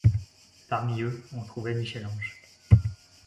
Parmi eux on trouvait Michel-Ange.